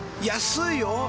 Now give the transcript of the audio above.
安いよ！